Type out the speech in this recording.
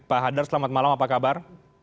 pak hadar selamat malam apa kabar